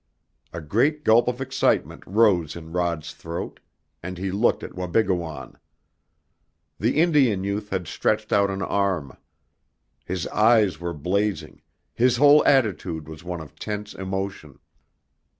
A great gulp of excitement rose in Rod's throat, and he looked at Wabigoon. The Indian youth had stretched out an arm. His eyes were blazing, his whole attitude was one of tense emotion.